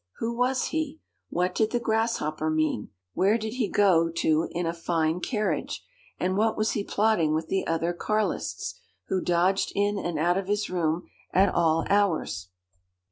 Who was he? What did the grasshopper mean? Where did he go to in a fine carriage, and what was he plotting with the other Carlists, who dodged in and out of his room at all hours?